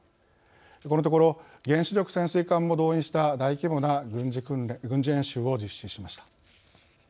このところ原子力潜水艦も動員した大規模な軍事演習を実施しました。